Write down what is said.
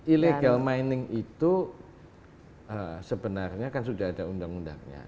illegal mining itu sebenarnya kan sudah ada undang undangnya